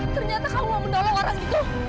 ternyata kamu mau menolong orang itu